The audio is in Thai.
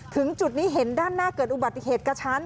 ถึงจุดนี้เห็นด้านหน้าเกิดอุบัติเหตุกระชั้น